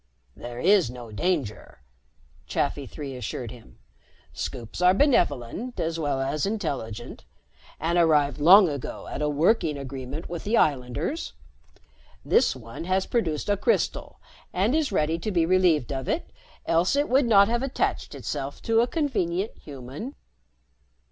"There is no danger," Chafi Three assured him. "Scoops are benevolent as well as intelligent, and arrived long ago at a working agreement with the islanders. This one has produced a crystal and is ready to be relieved of it, else it would not have attached itself to a convenient human."